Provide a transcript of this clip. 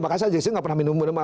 makanya saya nggak pernah minum